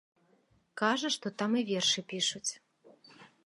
Кажа, што там і вершы пішуць.